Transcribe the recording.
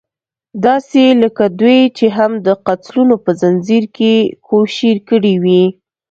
داسې لکه دوی چې هم د قتلونو په ځنځير کې کوشير کړې وي.